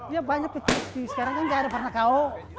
ya banyak pecuci sekarang kan nggak ada pernah kau